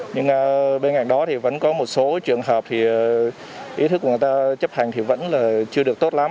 nhưng bên cạnh đó thì vẫn có một số trường hợp thì ý thức của người ta chấp hành thì vẫn là chưa được tốt lắm